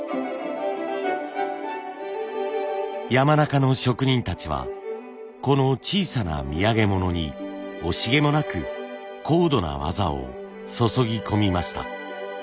山中の職人たちはこの小さな土産物に惜しげもなく高度な技を注ぎ込みました。